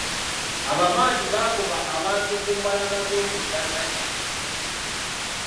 Abamadi baagoba abantu ku mbalama z'omugga Nile.